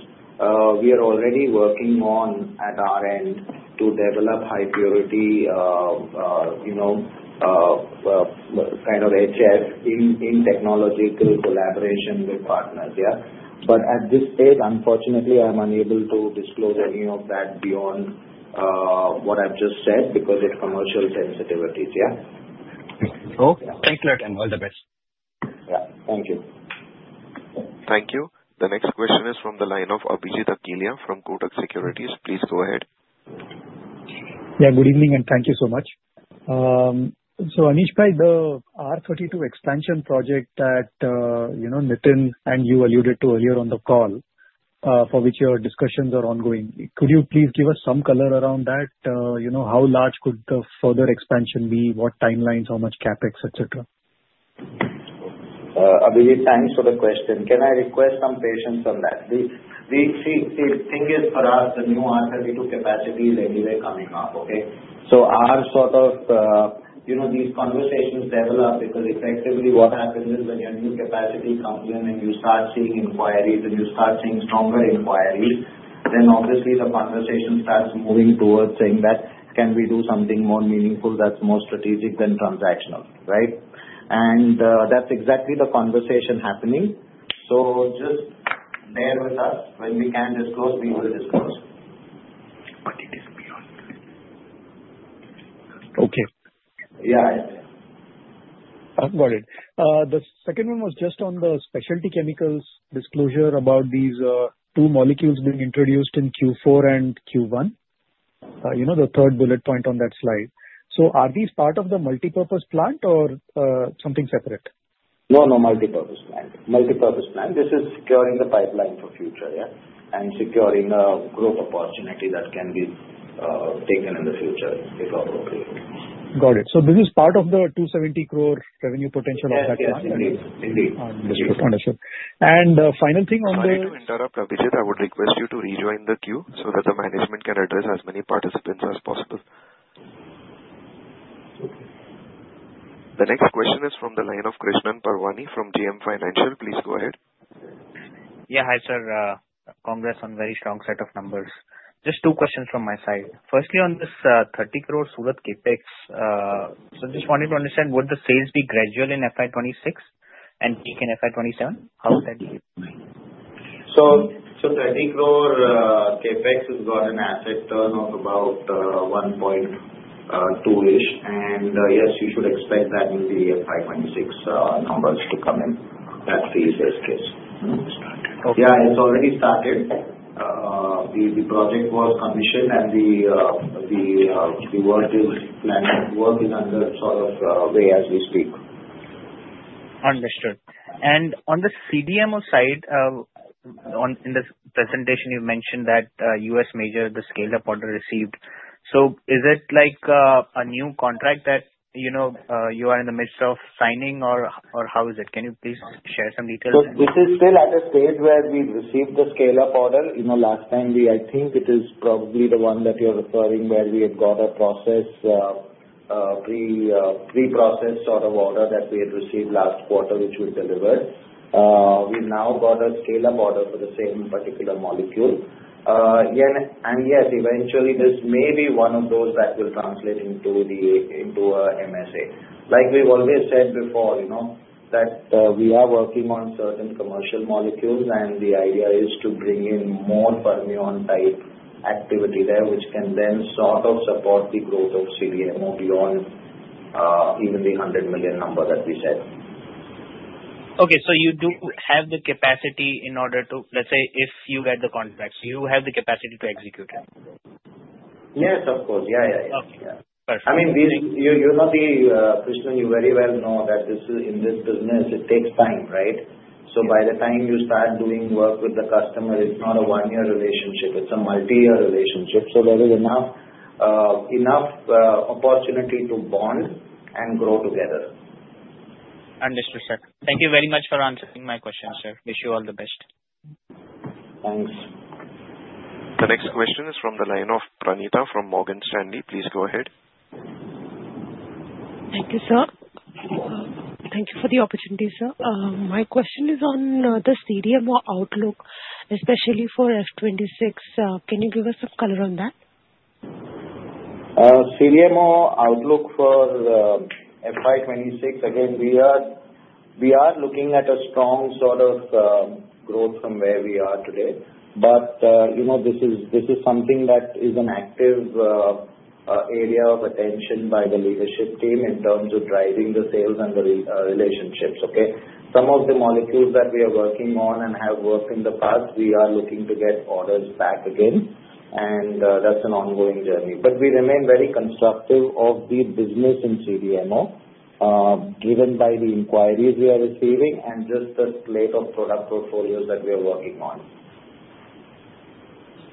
we are already working on, at our end, to develop high-purity kind of HF in technological collaboration with partners, yeah. But at this stage, unfortunately, I'm unable to disclose any of that beyond what I've just said because of commercial sensitivities, yeah. Okay. Thank you, Lord. And all the best. Yeah. Thank you. Thank you. The next question is from the line of Abhijit Akella from Kotak Securities. Please go ahead. Yeah. Good evening, and thank you so much. Anish, by the R32 expansion project that Nitin and you alluded to earlier on the call, for which your discussions are ongoing, could you please give us some color around that? How large could the further expansion be? What timelines? How much CapEx, etc.? Abhijit, thanks for the question. Can I request some patience on that? See, the thing is, for us, the new R32 capacity is anyway coming up, okay? So our sort of these conversations develop because effectively, what happens is when your new capacity comes in and you start seeing inquiries and you start seeing stronger inquiries, then obviously, the conversation starts moving towards saying that can we do something more meaningful that's more strategic than transactional, right? And that's exactly the conversation happening. So just bear with us. When we can disclose, we will disclose. Okay. Yeah. Got it. The second one was just on the specialty chemicals disclosure about these two molecules being introduced in Q4 and Q1, the third bullet point on that slide. So are these part of the multipurpose plant or something separate? No, no, multipurpose plant. This is securing the pipeline for future, yeah, and securing a growth opportunity that can be taken in the future if appropriate. Got it. So this is part of the 270 crore revenue potential of that plant? Yes. Indeed. Indeed. Understood. Understood, and final thing on the. Sorry to interrupt, Abhijit. I would request you to rejoin the queue so that the management can address as many participants as possible. The next question is from the line of Krishan Parwani from JM Financial. Please go ahead. Yeah. Hi, sir. Congrats on very strong set of numbers. Just two questions from my side. Firstly, on this 30 crore Surat CapEx, so just wanted to understand, would the sales be gradual in FY26 and peak in FY27? How would that be? So 30 crore CapEx has got an asset turn of about 1.2-ish. And yes, you should expect that in the FY26 numbers to come in, that three-year case. Started. Yeah. It's already started. The project was commissioned, and the work is planned. Work is underway as we speak. Understood. And on the CDMO side, in this presentation, you mentioned that U.S. major, the scale-up order received. So is it a new contract that you are in the midst of signing, or how is it? Can you please share some details? So this is still at a stage where we received the scale-up order. Last time, I think it is probably the one that you're referring where we had got a pre-processed sort of order that we had received last quarter, which we delivered. We've now got a scale-up order for the same particular molecule. And yes, eventually, this may be one of those that will translate into an MSA. Like we've always said before, that we are working on certain commercial molecules, and the idea is to bring in more Fermion-type activity there, which can then sort of support the growth of CDMO beyond even the 100 million number that we said. Okay. So you do have the capacity in order to, let's say, if you get the contracts, you have the capacity to execute it? Yes, of course. Yeah, yeah, yeah. Okay. Perfect. I mean, Krishan, you very well know that in this business, it takes time, right? So by the time you start doing work with the customer, it's not a one-year relationship. It's a multi-year relationship. So there is enough opportunity to bond and grow together. Understood, sir. Thank you very much for answering my questions, sir. Wish you all the best. Thanks. The next question is from the line of Pranita from Morgan Stanley. Please go ahead. Thank you, sir. Thank you for the opportunity, sir. My question is on the CDMO outlook, especially for FY26. Can you give us some color on that? CDMO outlook for FY26, again, we are looking at a strong sort of growth from where we are today. But this is something that is an active area of attention by the leadership team in terms of driving the sales and the relationships, okay? Some of the molecules that we are working on and have worked in the past, we are looking to get orders back again. And that's an ongoing journey. But we remain very constructive of the business in CDMO, driven by the inquiries we are receiving and just the slate of product portfolios that we are working on.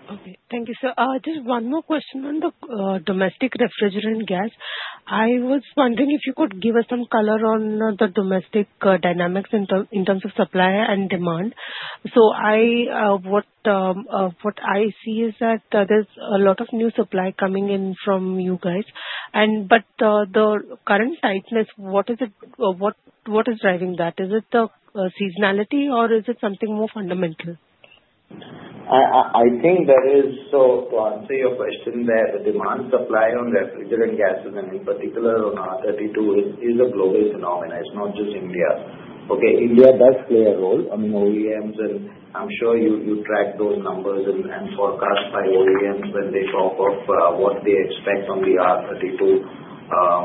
Okay. Thank you, sir. Just one more question on the domestic refrigerant gas. I was wondering if you could give us some color on the domestic dynamics in terms of supply and demand. So what I see is that there's a lot of new supply coming in from you guys. But the current tightness, what is driving that? Is it the seasonality, or is it something more fundamental? I think there is, so to answer your question there, the demand-supply on refrigerant gases, and in particular on R32, is a global phenomenon. It's not just India. Okay? India does play a role. I mean, OEMs, and I'm sure you track those numbers and forecast by OEMs when they talk of what they expect on the R32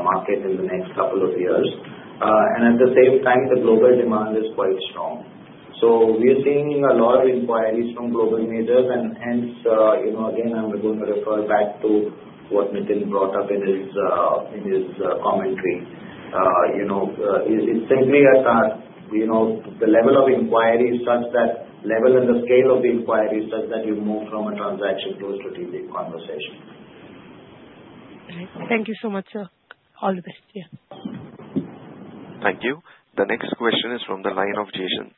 market in the next couple of years. At the same time, the global demand is quite strong. We are seeing a lot of inquiries from global majors. Hence, again, I'm going to refer back to what Nitin brought up in his commentary. It's simply at the level of inquiry is such that level and the scale of the inquiry is such that you move from a transaction to a strategic conversation. Thank you so much, sir. All the best. Yeah. Thank you. The next question is from the line of Jason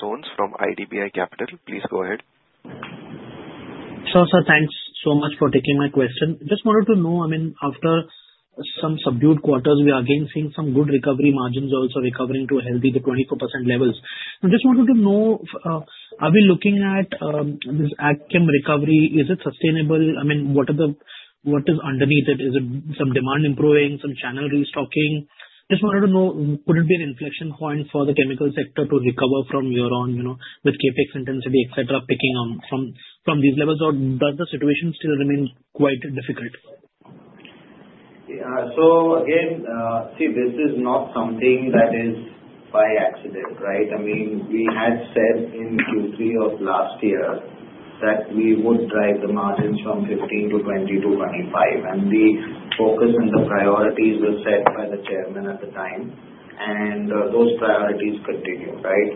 Soans from IDBI Capital. Please go ahead. Sir, thanks so much for taking my question. Just wanted to know, I mean, after some subdued quarters, we are again seeing some good recovery margins also recovering to healthy 24% levels. I just wanted to know, are we looking at this EBITDA recovery? Is it sustainable? I mean, what is underneath it? Is it some demand improving, some channel restocking? Just wanted to know, could it be an inflection point for the chemical sector to recover from year-on with CapEx intensity, etc., picking up from these levels, or does the situation still remain quite difficult? So again, see, this is not something that is by accident, right? I mean, we had said in Q3 of last year that we would drive the margins from 15% to 20% to 25%, and the focus and the priorities were set by the chairman at the time. And those priorities continue, right?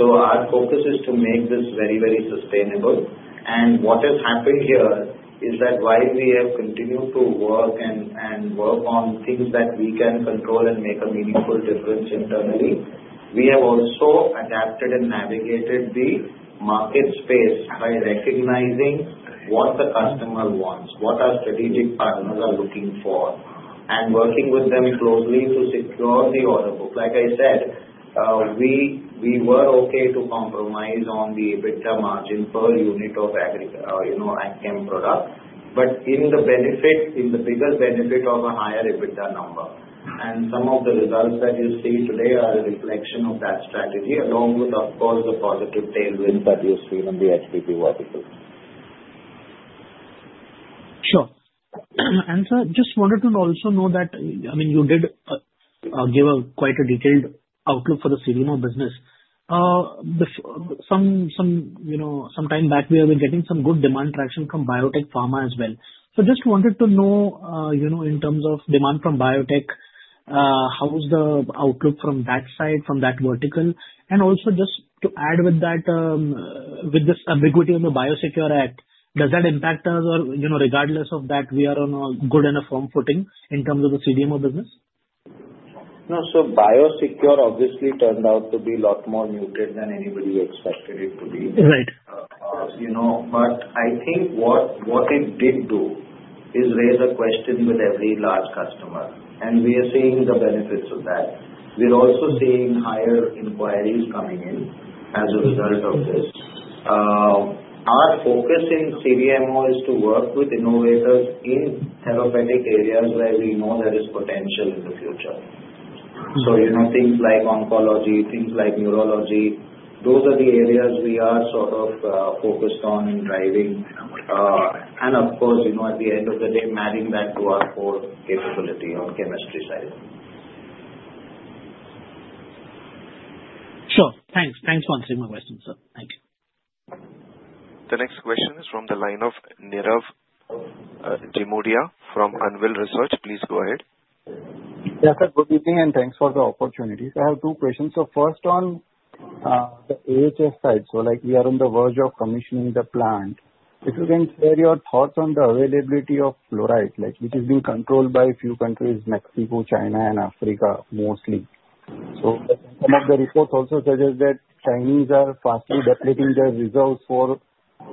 So our focus is to make this very, very sustainable, and what has happened here is that while we have continued to work and work on things that we can control and make a meaningful difference internally, we have also adapted and navigated the market space by recognizing what the customer wants, what our strategic partners are looking for, and working with them closely to secure the order book. Like I said, we were okay to compromise on the EBITDA margin per unit of ACCEM product, but in the bigger benefit of a higher EBITDA number. Some of the results that you see today are a reflection of that strategy, along with, of course, the positive tailwinds that you've seen on the HPP vertical. Sure. And sir, just wanted to also know that, I mean, you did give quite a detailed outlook for the CDMO business. Sometime back, we were getting some good demand traction from biotech pharma as well. So just wanted to know, in terms of demand from biotech, how's the outlook from that side, from that vertical? And also, just to add with that, with this ambiguity on the BioSecure Act, does that impact us? Or regardless of that, we are on a good enough home footing in terms of the CDMO business? No. So BioSecure obviously turned out to be a lot more muted than anybody expected it to be. But I think what it did do is raise a question with every large customer. And we are seeing the benefits of that. We're also seeing higher inquiries coming in as a result of this. Our focus in CDMO is to work with innovators in therapeutic areas where we know there is potential in the future. So things like oncology, things like neurology, those are the areas we are sort of focused on and driving. And of course, at the end of the day, matching that to our core capability on the chemistry side. Sure. Thanks. Thanks for answering my question, sir. Thank you. The next question is from the line of Nirav Jimudia from Anvil Research. Please go ahead. Yes, sir. Good evening, and thanks for the opportunity. I have two questions. First, on the AHF side, we are on the verge of commissioning the plant. If you can share your thoughts on the availability of fluoride, which is being controlled by a few countries, Mexico, China, and Africa mostly. Some of the reports also suggest that Chinese are hastily depleting their reserves for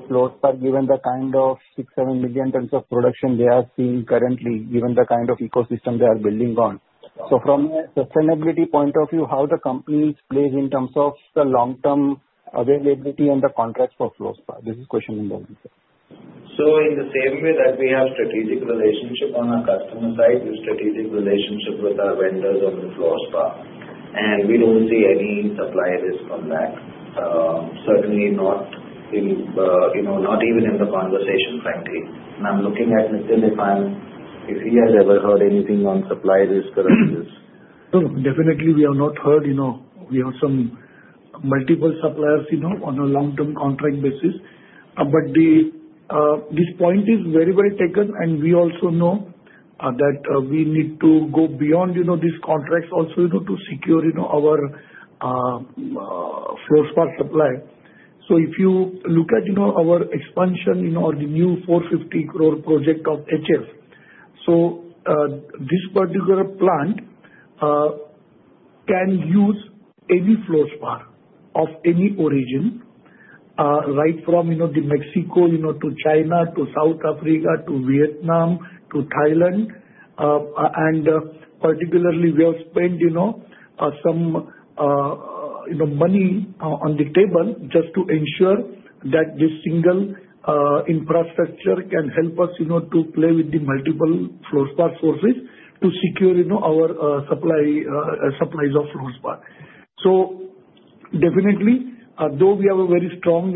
fluoride given the kind of six, seven million tons of production they are seeing currently, given the kind of ecosystem they are building on. From a sustainability point of view, how the company plays in terms of the long-term availability and the contracts for fluoride? This is question number one, sir. So in the same way that we have strategic relationship on our customer side, we have strategic relationship with our vendors on the fluoride part. And we don't see any supply risk on that. Certainly not even in the conversation, frankly. And I'm looking at Nitin if he has ever heard anything on supply risk or other things. Definitely, we have not heard. We have some multiple suppliers on a long-term contract basis. But this point is very, very taken. And we also know that we need to go beyond these contracts also to secure our fluoride supply. So if you look at our expansion or the new 450 crore project of HF, so this particular plant can use any fluoride of any origin, right from Mexico to China to South Africa to Vietnam to Thailand. And particularly, we have spent some money on the table just to ensure that this single infrastructure can help us to play with the multiple fluoride sources to secure our supplies of fluoride. Definitely, though we have a very strong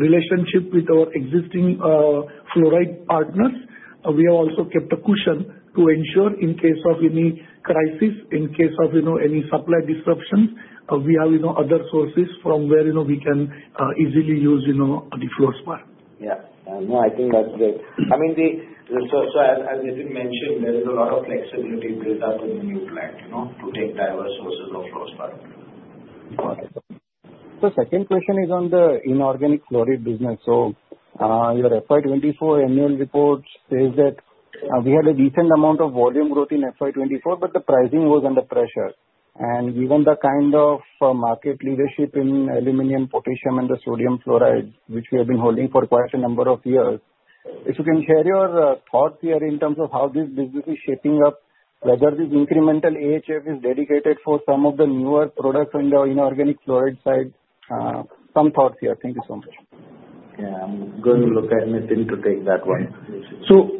relationship with our existing fluoride partners, we have also kept a cushion to ensure in case of any crisis, in case of any supply disruptions, we have other sources from where we can easily use the fluoride. Yeah. No, I think that's great. I mean, so as Nitin mentioned, there is a lot of flexibility built up in the new plant to take diverse sources of fluoride. So second question is on the inorganic fluoride business. So your FY24 annual report says that we had a decent amount of volume growth in FY24, but the pricing was under pressure. And given the kind of market leadership in aluminum, potassium, and the sodium fluoride, which we have been holding for quite a number of years, if you can share your thoughts here in terms of how this business is shaping up, whether this incremental AHF is dedicated for some of the newer products on the inorganic fluoride side, some thoughts here. Thank you so much. Yeah. I'm going to look at Nitin to take that one.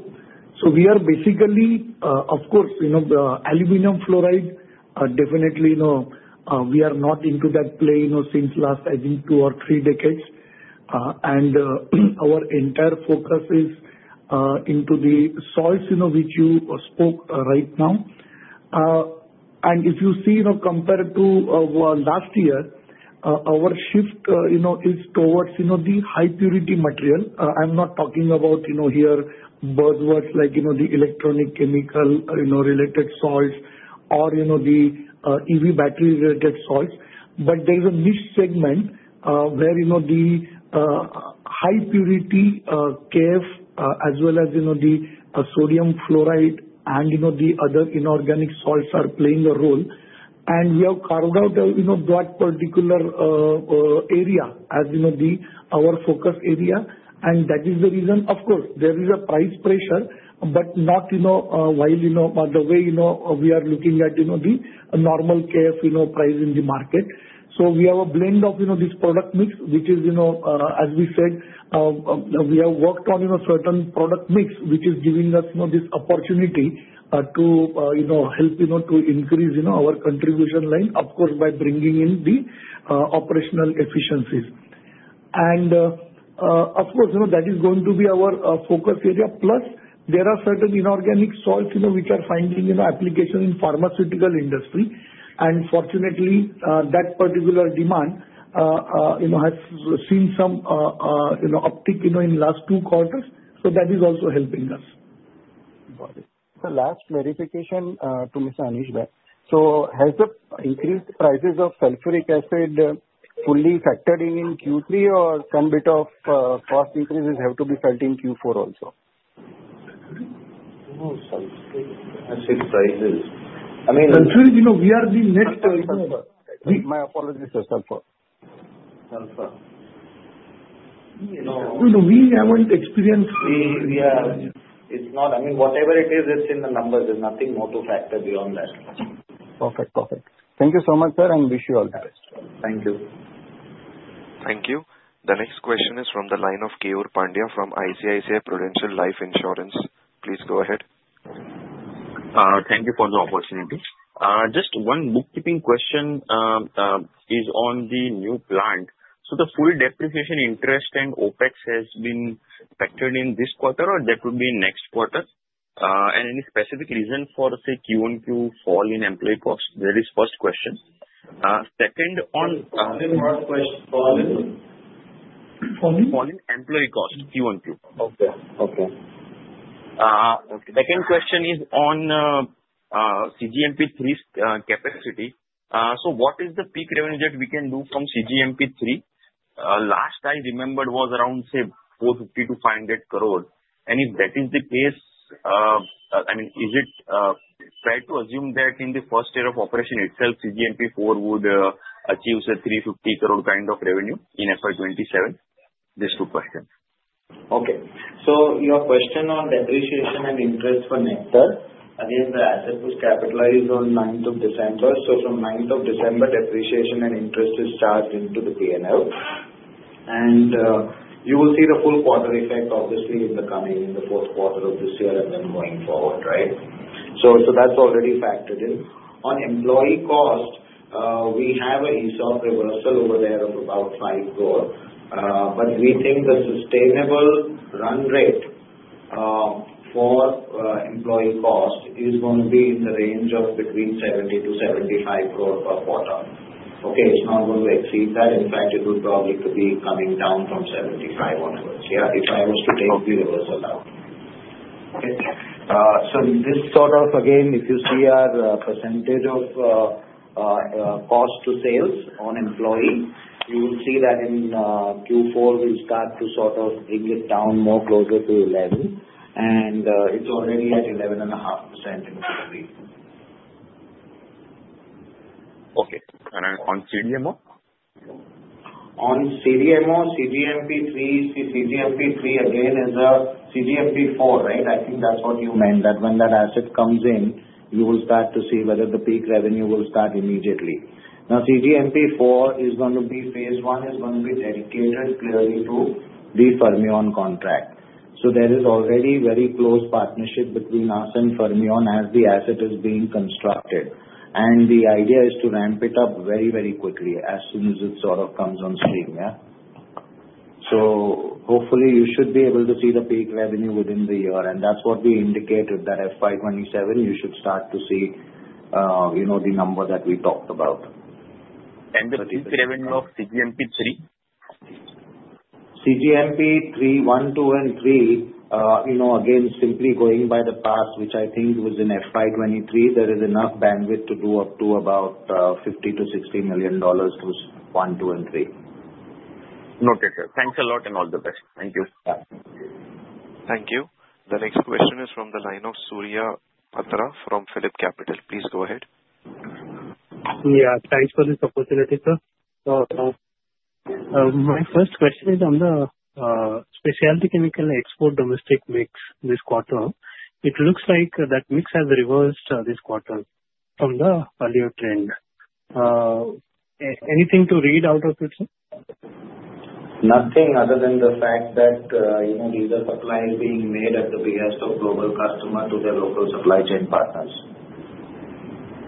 We are basically, of course, aluminum fluoride. Definitely, we are not into that play since, I think, the last two or three decades. Our entire focus is into the salts which you spoke right now. If you see, compared to last year, our shift is towards the high-purity material. I'm not talking about these buzzwords like the electronic chemical-related salts or the EV battery-related salts. But there is a niche segment where the high-purity KF, as well as the sodium fluoride and the other inorganic salts, are playing a role. We have carved out that particular area as our focus area. That is the reason, of course, there is a price pressure, but not in the way we are looking at the normal KF price in the market. So we have a blend of this product mix, which is, as we said, we have worked on a certain product mix, which is giving us this opportunity to help to increase our contribution line, of course, by bringing in the operational efficiencies. And of course, that is going to be our focus area. Plus, there are certain inorganic salts which are finding application in pharmaceutical industry. And fortunately, that particular demand has seen some uptick in the last two quarters. So that is also helping us. Last verification to Mr. Anish bhai. Has the increased prices of sulfuric acid fully factored in Q3, or some bit of cost increases have to be felt in Q4 also? Sulfuric acid prices. I mean. Sulfuric, we are the next. My apologies, sulfur. Sulfur. We haven't experienced. It's not. I mean, whatever it is, it's in the numbers. There's nothing more to factor beyond that. Perfect. Perfect. Thank you so much, sir, and wish you all the best. Thank you. Thank you. The next question is from the line of Keyur Pandya from ICICI Prudential Life Insurance. Please go ahead. Thank you for the opportunity. Just one bookkeeping question is on the new plant. So the full depreciation interest and OpEx has been factored in this quarter, or that would be next quarter? And any specific reason for, say, QoQ fall in employee cost? That is first question. Second on. Second question. Fall in. Fall in employee cost, Q1Q. Okay. Okay. Second question is on CGMP3 capacity. So what is the peak revenue that we can do from CGMP3? Last I remembered was around, say, 450-500 crore. And if that is the case, I mean, is it fair to assume that in the first year of operation itself, CGMP4 would achieve a 350 crore kind of revenue in FY27? Just two questions. Okay. So your question on depreciation and interest for Nectar, again, the asset was capitalized on 9th of December. So from 9th of December, depreciation and interest is charged into the P&L. And you will see the full quarter effect, obviously, in the coming, in the fourth quarter of this year and then going forward, right? So that's already factored in. On employee cost, we have an ESOP reversal over there of about 5 crore. But we think the sustainable run rate for employee cost is going to be in the range of between 70-75 crore per quarter. Okay. It's not going to exceed that. In fact, it will probably be coming down from 75 onwards, yeah, if I was to take the reversal out. Okay. This sort of, again, if you see our percentage of cost to sales on employee, you will see that in Q4, we'll start to sort of bring it down more closer to 11%. It's already at 11.5% in Q3. Okay. And on CDMO? On CDMO, CGMP4, CGMP4 again is a CGMP4, right? I think that's what you meant, that when that asset comes in, you will start to see whether the peak revenue will start immediately. Now, CGMP4 is going to be phase one is going to be dedicated clearly to the Fermion contract. There is already very close partnership between us and Fermion as the asset is being constructed. The idea is to ramp it up very, very quickly as soon as it sort of comes on stream, yeah? Hopefully, you should be able to see the peak revenue within the year. That's what we indicated that FY27, you should start to see the number that we talked about. The peak revenue of CGMP3? cGMP3, one, two, and three, again, simply going by the past, which I think was in FY23, there is enough bandwidth to do up to about $50-$60 million to one, two, and three. Noted, sir. Thanks a lot and all the best. Thank you. Thank you. The next question is from the line of Surya Patra from PhillipCapital. Please go ahead. Yeah. Thanks for this opportunity, sir. So my first question is on the specialty chemical export domestic mix this quarter. It looks like that mix has reversed this quarter from the earlier trend. Anything to read out of it, sir? Nothing other than the fact that these are supplies being made at the behest of global customer to their local supply chain partners.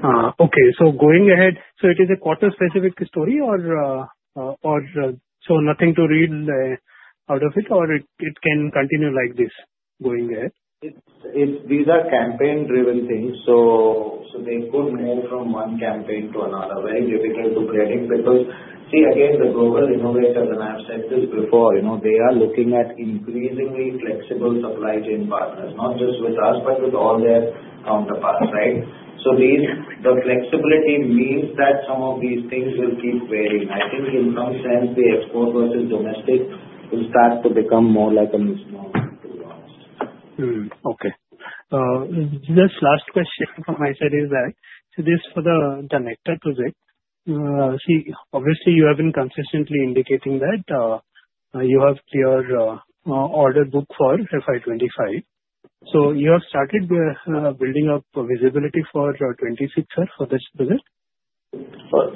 Okay. So going ahead, so it is a quarter-specific story, or so nothing to read out of it, or it can continue like this going ahead? These are campaign-driven things. So they could move from one campaign to another. Very difficult to predict because, see, again, the global innovators, and I have said this before, they are looking at increasingly flexible supply chain partners, not just with us, but with all their counterparts, right? So the flexibility means that some of these things will keep varying. I think in some sense, the export versus domestic will start to become more like a misnomer, to be honest. Okay. This last question from my side is that, so this for the Nectar project, see, obviously, you have been consistently indicating that you have clear order book for FY25. So you have started building up visibility for FY26, sir, for this project?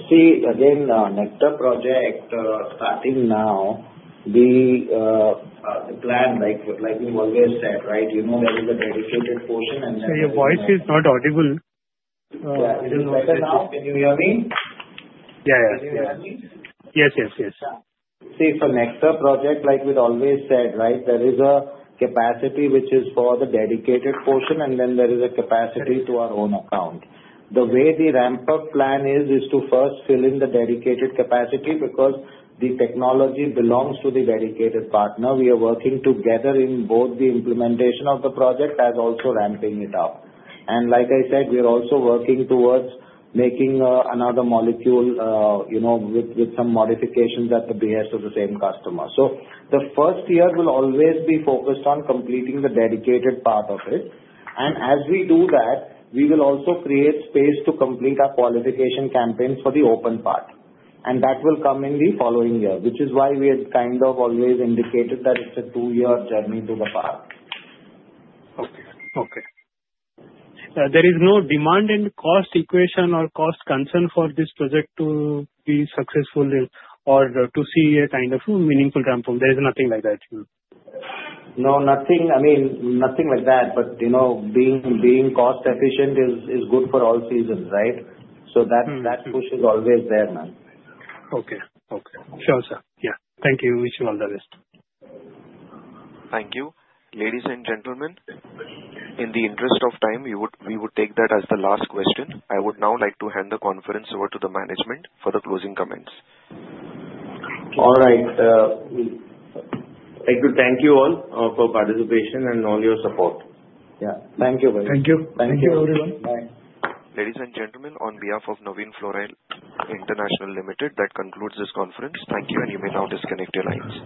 See, again, Project Nectar starting now, the plan, like you always said, right, there is a dedicated portion and then. Your voice is not audible. Yeah. Can you hear me? Yeah. Yeah. Can you hear me? Yes. Yes. Yes. See, for Project Nectar, like we always said, right, there is a capacity which is for the dedicated portion, and then there is a capacity to our own account. The way the ramp-up plan is to first fill in the dedicated capacity because the technology belongs to the dedicated partner. We are working together in both the implementation of the project as also ramping it up. And like I said, we are also working towards making another molecule with some modifications at the behest of the same customer. So the first year will always be focused on completing the dedicated part of it. And as we do that, we will also create space to complete our qualification campaign for the open part. And that will come in the following year, which is why we had kind of always indicated that it's a two-year journey to the part. Okay. There is no demand and cost equation or cost concern for this project to be successful or to see a kind of meaningful ramp-up. There is nothing like that. No, nothing. I mean, nothing like that. But being cost-efficient is good for all seasons, right? So that push is always there, man. Okay. Okay. Sure, sir. Yeah. Thank you. Wish you all the best. Thank you. Ladies and gentlemen, in the interest of time, we would take that as the last question. I would now like to hand the conference over to the management for the closing comments. All right. I do thank you all for participation and all your support. Yeah. Thank you, guys. Thank you. Thank you, everyone. Bye. Ladies and gentlemen, on behalf of Navin Fluorine International Limited, that concludes this conference. Thank you, and you may now disconnect your lines.